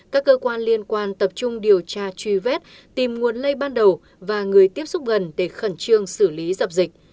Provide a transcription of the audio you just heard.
các cơ quan liên quan tập trung điều tra truy vết tìm nguồn lây ban đầu và người tiếp xúc gần để khẩn trương xử lý dập dịch